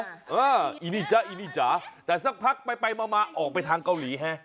อ่าอินิจ่ะอินิจ่ะแต่สักพักไปมาออกไปทางเกาหลีแฮะ